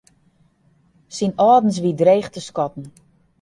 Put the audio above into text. Syn âldens wie dreech te skatten.